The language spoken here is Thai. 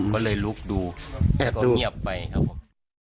ก็เลยลุกดูแล้วก็เงียบไปครับผม